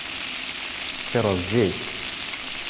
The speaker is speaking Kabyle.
Tekkreḍ zik.